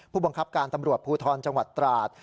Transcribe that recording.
ผู้บังคับการตำรวจภูทรจังหวัดตราด